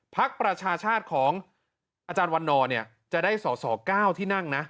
พักประชาชาติของอาจารย์วันนอร์จะได้สอสอ๙ที่นั่งนะ